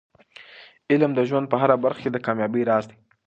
علم د ژوند په هره برخه کې د کامیابۍ راز دی.